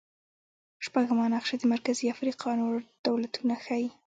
شپږمه نقشه د مرکزي افریقا نور دولتونه ښيي.